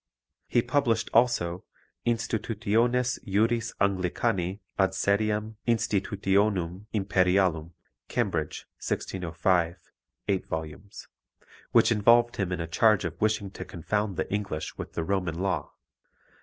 He published also Institutiones Juris Anglicani ad seriem Institutionum imperialium (Cambridge, 1605, 8vo), which involved him in a charge of wishing to confound the English with the Roman law.